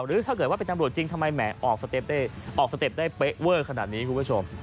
หรือถ้าเกิดว่าเป็นตำรวจจริงทำไมแหมออกสเต็ปได้ออกสเต็ปได้เป๊ะเวอร์ขนาดนี้คุณผู้ชม